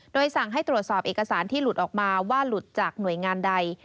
โดยสั่งให้ตรวจสอบเอกสารที่หลุดออกมาว่าหลุดจากหน่วยงานใด